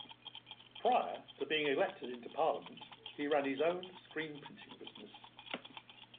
Prior to being elected into Parliament, he ran his own screen printing business.